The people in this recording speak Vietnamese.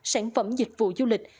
sản phẩm dịch vụ du lịch